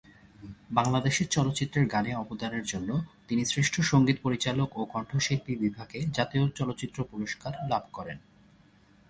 বাংলাদেশের চলচ্চিত্রের গানে অবদানের জন্য তিনি শ্রেষ্ঠ সঙ্গীত পরিচালক ও কণ্ঠশিল্পী বিভাগে জাতীয় চলচ্চিত্র পুরস্কার লাভ করেন।